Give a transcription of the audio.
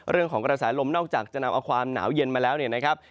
เรื่องของกระแสลมนอกจากจะนำเอาความหนาวเย็นมาแล้วเนี่ยนะครับ